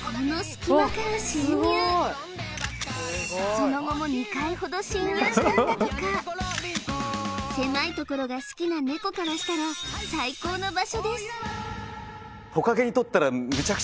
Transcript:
その後も２回ほど侵入したんだとか狭いところが好きなネコからしたら最高の場所です